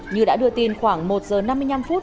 như đã đưa tin khoảng một giờ năm mươi năm phút